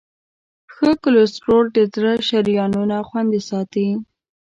ښه کولیسټرول د زړه شریانونه خوندي ساتي.